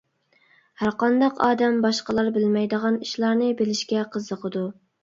ھەر قانداق ئادەم باشقىلار بىلمەيدىغان ئىشلارنى بىلىشكە قىزىقىدۇ.